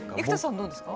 どうですか？